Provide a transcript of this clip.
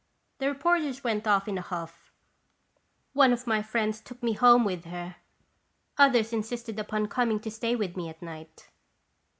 The reporters went off in a huff. One of my friends took me home & <5rari0us biaitatian. 205 with her. Others insisted upon coming to stay with me at night.